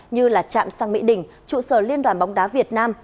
như là trạm sang mỹ đình trụ sở liên đoàn bóng đá việt nam